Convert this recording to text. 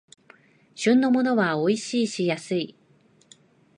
旬のものはおいしいし安い